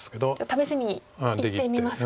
試しにいってみますか。